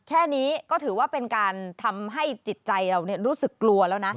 แค่นี้ก็ถือว่าเป็นการทำให้จิตใจเรารู้สึกกลัวแล้วนะ